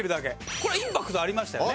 これインパクトありましたよね。